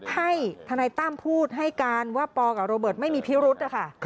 ทนายตั้มพูดให้การว่าปอกับโรเบิร์ตไม่มีพิรุธนะคะ